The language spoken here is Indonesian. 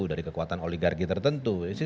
dari kekuatan oligarki tertentu